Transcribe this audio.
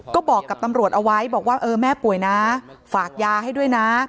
ก็บอกกับตำรวจเอาไว้บอกว่าเออแม่ป่วยนะฝากยาให้ด้วยนะ